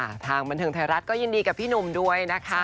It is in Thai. ทางบันเทิงไทยรัฐก็ยินดีกับพี่หนุ่มด้วยนะคะ